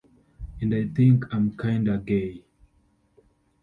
And I think I'm kinda gay!